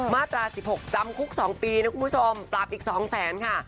มาตราสิบหกจำคุกสองปีนะคุณผู้ชมปราบอีกสองแสนค่ะ